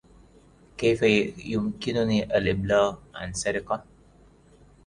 كيف يمكنني الإبلاغ عن سرقة؟